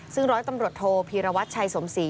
ซึ่งร้อยตำรวจโทพีรวัตรชัยสมศรี